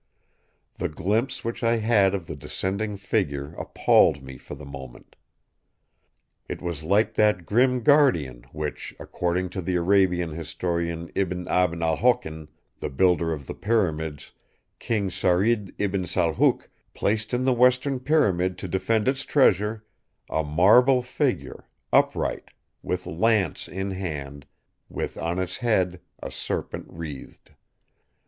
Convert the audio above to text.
The glimpse which I had of the descending figure appalled me for the moment. It was like that grim guardian which, according to the Arabian historian Ibn Abd Alhokin, the builder of the Pyramids, King Saurid Ibn Salhouk placed in the Western Pyramid to defend its treasure: 'A marble figure, upright, with lance in hand; with on his head a serpent wreathed.